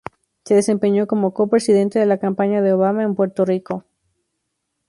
Se desempeñó como co-presidente de la campaña de Obama en Puerto Rico.